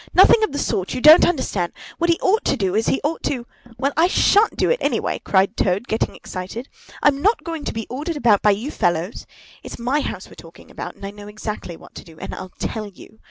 "Nothing of the sort! You don't understand. What he ought to do is, he ought to——" "Well, I shan't do it, anyway!" cried Toad, getting excited. "I'm not going to be ordered about by you fellows! It's my house we're talking about, and I know exactly what to do, and I'll tell you.